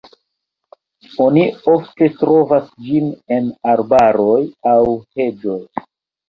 Oni ofte trovas ĝin en arbaroj aŭ heĝoj.